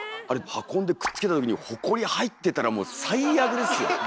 あれ運んでくっつけた時にほこり入ってたらもう最悪ですよ。